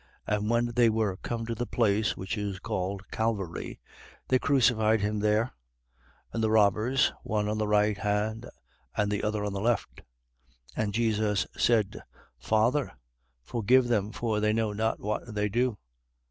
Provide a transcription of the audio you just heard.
23:33. And when they were come to the place which is called Calvary, they crucified him there: and the robbers, one on the right hand, and the other on the left. 23:34. And Jesus said: Father, forgive them, for they know not what they do.